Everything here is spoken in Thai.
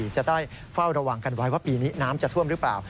จะได้เฝ้าระวังกันไว้ว่าปีนี้น้ำจะท่วมหรือเปล่า